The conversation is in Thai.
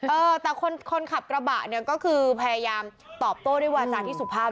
เออแต่คนขับกระบะเนี่ยก็คือพยายามตอบโต้ด้วยวาจาที่สุภาพ